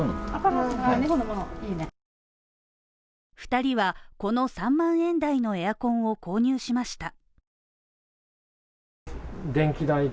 ２人は、この３万円台のエアコンを購入しました。